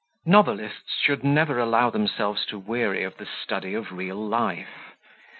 NOVELISTS should never allow themselves to weary of the study of real life.